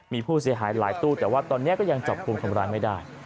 มีผู้เสียหายหลายตู้แต่ว่าตอนนี้ก็ยังจับกลุ่มคนร้ายไม่ได้